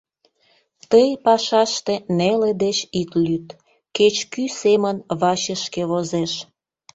Тый пашаште неле деч ит лӱд, кеч кӱ семын вачышке возеш.